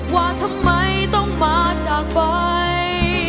ว่าทำไมต้องมาจากไป